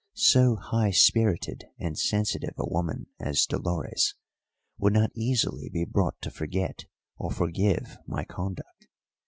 So high spirited and sensitive a woman as Dolores would not easily be brought to forget or forgive my conduct.